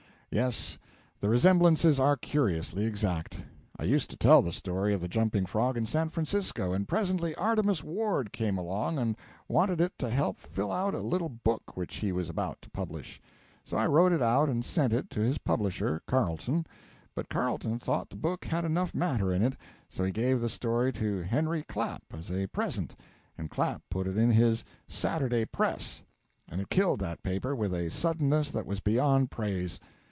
Yes, the resemblances are curiously exact. I used to tell the story of the 'Jumping Frog' in San Francisco, and presently Artemus Ward came along and wanted it to help fill out a little book which he was about to publish; so I wrote it out and sent it to his publisher, Carleton; but Carleton thought the book had enough matter in it, so he gave the story to Henry Clapp as a present, and Clapp put it in his 'Saturday Press,' and it killed that paper with a suddenness that was beyond praise.